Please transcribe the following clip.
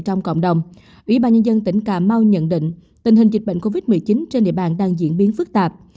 trong cộng đồng ủy ban nhân dân tỉnh cà mau nhận định tình hình dịch bệnh covid một mươi chín trên địa bàn đang diễn biến phức tạp